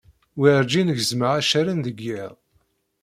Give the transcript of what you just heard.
Werǧin gezmeɣ accaren deg yiḍ.